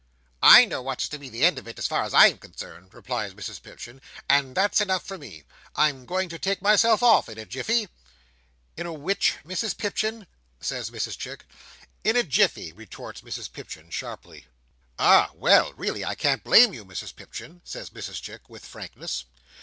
"I know what's to be the end of it, as far as I am concerned," replies Mrs Pipchin, "and that's enough for me. I'm going to take myself off in a jiffy." "In a which, Mrs Pipchin," says Mrs Chick. "In a jiffy," retorts Mrs Pipchin sharply. "Ah, well! really I can't blame you, Mrs Pipchin," says Mrs Chick, with frankness.